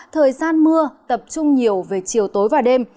thời gian mưa tập trung nhiều về chiều tối và đêm